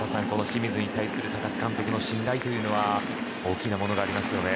清水に対する高津監督の信頼は大きなものがありますね。